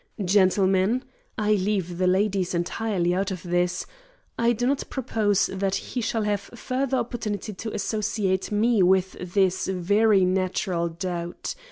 Gentlemen I leave the ladies entirely out of this I do not propose that he shall have further opportunity to associate me with this very natural doubt.